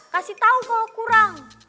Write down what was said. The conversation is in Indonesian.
kasih tau kalo kurang